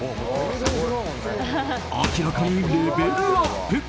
明らかにレベルアップ。